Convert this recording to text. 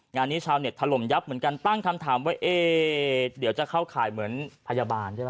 งานนี้ชาวเน็ตถล่มยับเหมือนกันตั้งคำถามว่าเอ๊เดี๋ยวจะเข้าข่ายเหมือนพยาบาลใช่ป่